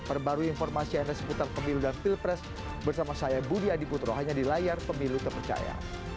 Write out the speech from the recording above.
perbaru informasi yang disemputan pemilu dan pilpres bersama saya budi adiputro hanya di layar pemilu tepercaya